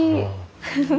フフフ。